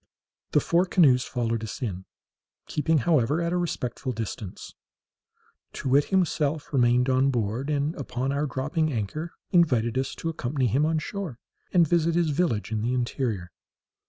The four canoes followed us in, keeping, however, at a respectful distance. Too wit himself remained on board, and, upon our dropping anchor, invited us to accompany him on shore, and visit his village in the interior.